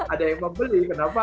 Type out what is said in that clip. ada yang membeli kenapa